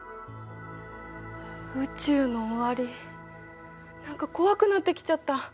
宇宙の終わり何か怖くなってきちゃった。